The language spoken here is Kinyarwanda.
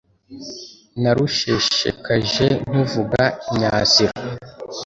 narusheshekaje nkuvuga imyasiro.